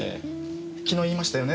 昨日言いましたよね？